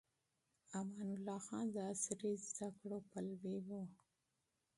امان الله خان د عصري زده کړو پلوي و.